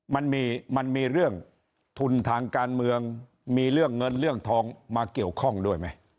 มันมีมันมีเรื่องทุนทางการเมืองมีเรื่องเงินเรื่องทองมาเกี่ยวข้องด้วยไหม